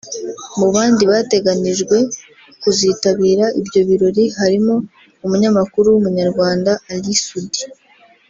Mu bandi bateganijwe kuzitabira ibyo birori harimo umunyamakuru w’Umunyarwanda Ally Soudy